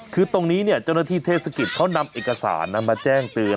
คือตรงนี้เนี่ยเจ้าหน้าที่เทศกิจเขานำเอกสารมาแจ้งเตือน